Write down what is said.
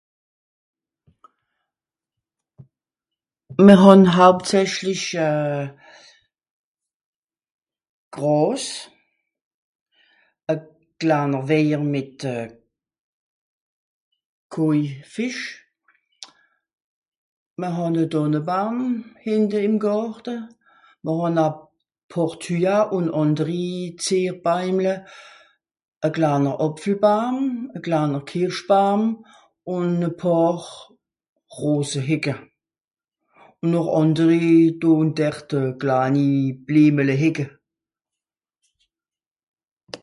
mr han hauptsächlich euh gràss à klaner weijer mìt koifìsch mr hàn a tànnebaam hìnte ìm gàrte mr hàn a pàar tuya ùn ànderi zeer baimle a klaner àpfelbaam à klaner kìrschbaam ùn à pàar roosehecke ò nòr ànderi dò ùn dert klani blemelehecke